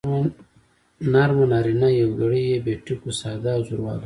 نرمه نارينه يوگړې بې ټکو ساده او زورواله يا